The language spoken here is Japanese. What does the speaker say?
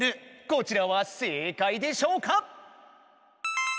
こちらは正解でしょうか？